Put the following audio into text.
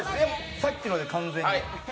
さっきので完全に。